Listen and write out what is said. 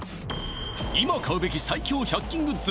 今買うべき最強１００均グッズ